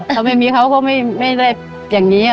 ถ้าไม่มีเขาก็ไม่ได้อย่างนี้